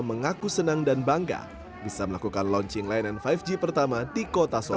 mengaku senang dan bangga bisa melakukan launching layanan lima g pertama di kota solo